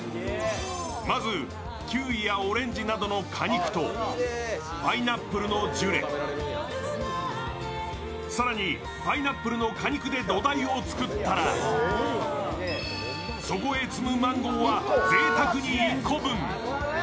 まず、キウイやオレンジなどの果肉とパイナップルのジュレ、更にパイナップルの果肉で土台を作ったらそこへ積むマンゴーはぜいたくに１個分。